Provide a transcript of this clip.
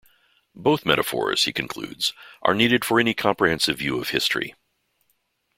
Both metaphors, he concludes, are needed for any comprehensive view of history.